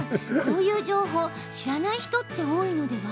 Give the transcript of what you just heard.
こういう情報知らない人って多いのでは？